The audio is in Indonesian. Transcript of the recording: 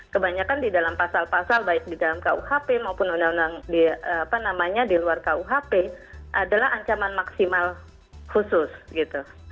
kebanyakan di dalam pasal pasal baik di dalam kuhp maupun undang undang di luar kuhp adalah ancaman maksimal khusus gitu